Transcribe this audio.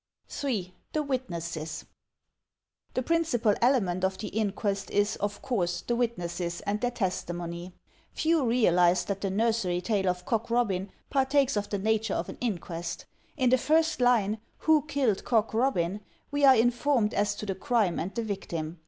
J. The Witnesses The principal element of the inquest is, of course, the witnesses and their testimony. Few realize that the nursery tale of Cock Robin partakes of the nature of an inquest. In the first line, "Who killed Cock Robin?" we are informed as to the crime and the victim.